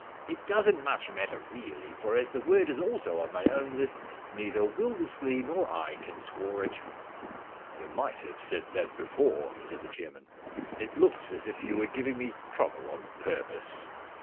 * It doesn't much matter really, for as the word is also on my own list neither Wildersley nor I can score it.' * You might have said that before,' said the chairman. * It looks as if you were giving me trouble on purpose.'